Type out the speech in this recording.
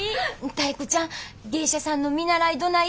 タイ子ちゃん芸者さんの見習いどない？